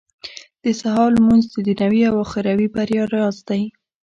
• د سهار لمونځ د دنيوي او اخروي بريا راز دی.